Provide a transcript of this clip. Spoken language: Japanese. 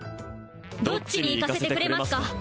どっちに行かせてくれますか？